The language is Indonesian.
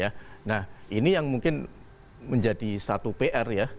nah ini yang mungkin menjadi satu pr ya